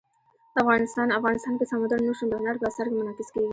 افغانستان کې سمندر نه شتون د هنر په اثار کې منعکس کېږي.